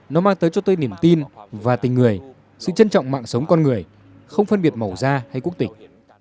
nó mang tới cho tôi niềm tin và tình người sự trân trọng mạng sống con người không phân biệt màu da hay quốc tịch